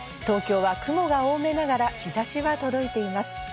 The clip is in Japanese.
東京は雲が多めながら日差しが届いています。